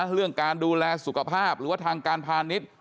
เรื่องการดูแลสุขภาพหรือว่าทางการพาณิชย์